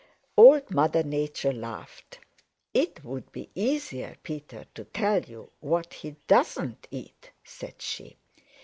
Old Mother Nature laughed. "It would be easier, Peter, to tell you what he doesn't eat," said she.